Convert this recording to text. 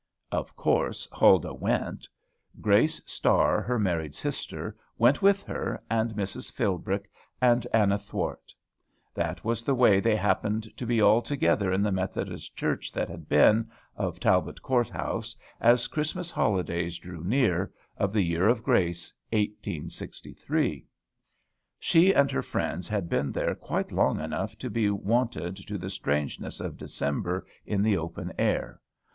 Of course Huldah went. Grace Starr, her married sister, went with her, and Mrs. Philbrick, and Anna Thwart. That was the way they happened to be all together in the Methodist Church that had been, of Talbot Court House, as Christmas holidays drew near, of the year of grace, 1863. She and her friends had been there quite long enough to be wonted to the strangeness of December in the open air.